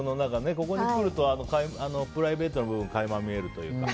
ここに来るとプライベートの部分が垣間見えるというか。